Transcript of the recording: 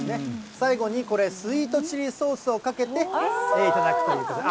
最後にこれ、スイートチリソースをかけて頂くということで。